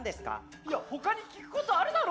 いやほかに聞くことあるだろ！